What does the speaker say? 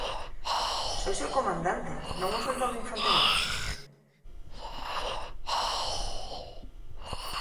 Sois el comandante, non un soldáu d'infantería.